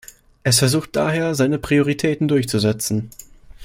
Es versucht daher, seine Prioritäten durchzusetzen.